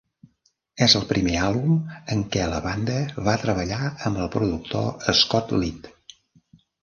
És el primer àlbum en què la banda va treballar amb el productor Scott Litt.